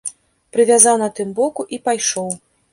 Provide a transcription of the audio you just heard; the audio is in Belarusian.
Прывязаў на тым боку і пайшоў.